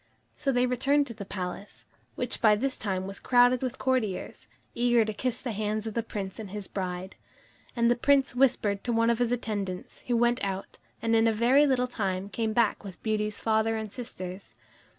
So they returned to the palace, which by this time was crowded with courtiers, eager to kiss the hands of the Prince and his bride. And the Prince whispered to one of his attendants, who went out, and in a very little time came back with Beauty's father and sisters.